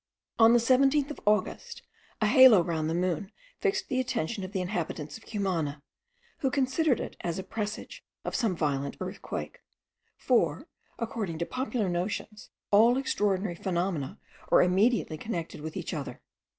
On the 17th of August a halo round the moon fixed the attention of the inhabitants of Cumana, who considered it as the presage of some violent earthquake; for, according to popular notions, all extraordinary phenomena are immediately connected with each other.